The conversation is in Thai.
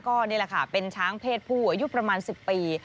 ก็นี่แหละค่ะเป็นช้างเพศผู้อายุประมาณ๑๐ปี